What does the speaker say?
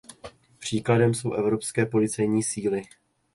Příkladem jsou Evropské policejní síly.